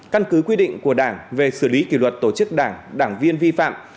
căn cứ quy định của đảng về xử lý kỷ luật tổ chức đảng đảng viên vi phạm